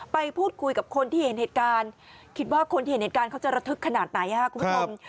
ไปพูดคุยกับคนที่เห็นเหตุการณ์คิดว่าคนที่เห็นเหตุการณ์เขาจะระทึกขนาดไหนครับคุณผู้ชม